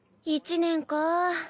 １年かぁ。